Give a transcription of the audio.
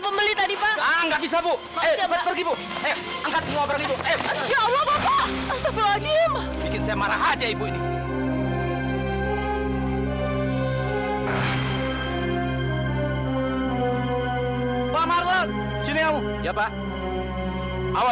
sampai jumpa di video selanjutnya